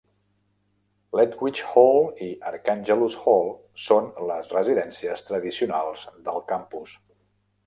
Ledwidge Hall i Archangelus Hall són les residències tradicionals del campus.